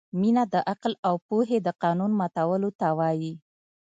مینه د عقل او پوهې د قانون ماتولو ته وايي.